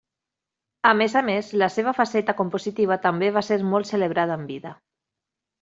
A més a més, la seva faceta compositiva també va ser molt celebrada en vida.